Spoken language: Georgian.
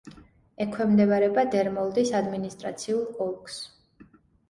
ექვემდებარება დერმოლდის ადმინისტრაციულ ოლქს.